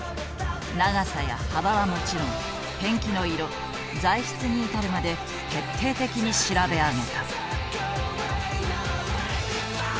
長さや幅はもちろんペンキの色材質に至るまで徹底的に調べ上げた。